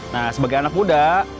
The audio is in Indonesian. nah sebagai anak muda